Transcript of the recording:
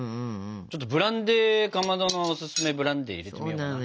ちょっとブランデーかまどのおすすめブランデー入れてみよかな。